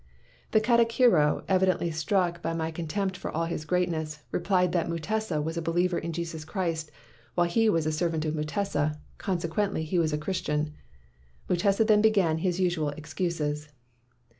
"The katikiro, evidently struck by my contempt of all his greatness, replied that Mutesa was a believer in Jesus Christ, while he was a servant of Mutesa, consequently 192 MACKAY'S NEW NAME he was a Christian. Mutesa then began his usual excuses.